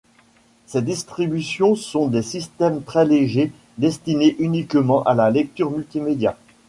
Ces distributions sont des systèmes très légers destinés uniquement à la lecture multimédia.